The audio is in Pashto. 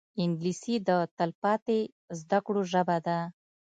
انګلیسي د تلپاتې زده کړو ژبه ده